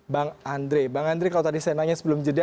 bang andre bang andri kalau tadi saya nanya sebelum jeda